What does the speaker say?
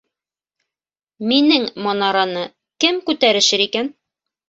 Минең манараны кем күтәрешер икән?..